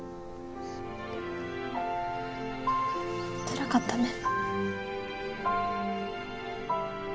つらかったね。